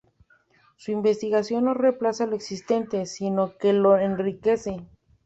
Su invención no reemplaza lo existente, sino que lo enriquece.